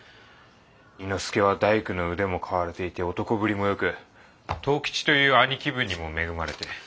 猪之助は大工の腕も買われていて男ぶりもよく藤吉という兄貴分にも恵まれて。